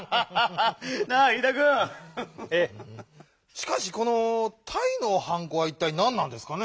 しかしこのタイのはんこはいったいなんなんですかね？